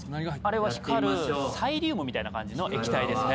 あれは光るサイリウムみたいな感じの液体ですね。